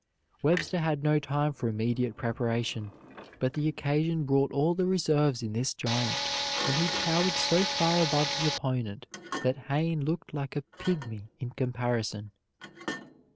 Webster had no time for immediate preparation, but the occasion brought all the reserves in this giant, and he towered so far above his opponent that Hayne looked like a pygmy in comparison.